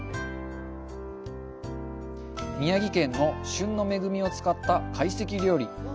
宮城県の旬の恵みを使った懐石料理。